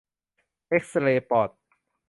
เอกซเรย์ปอด